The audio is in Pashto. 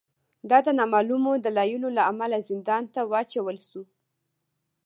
دای د نامعلومو دلایلو له امله زندان ته واچول شو.